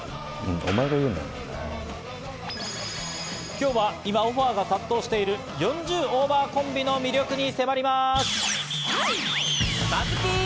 今日は今、オファーが殺到している４０オーバーコンビの魅力に迫ります。